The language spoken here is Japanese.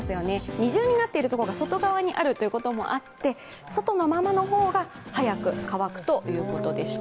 二重になっているところが外側になっているということもあって外のままの方が早く乾くということでした。